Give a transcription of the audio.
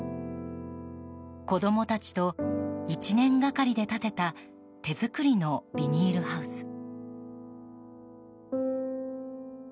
子供たちと１年がかりで建てた手作りのビニールハウス。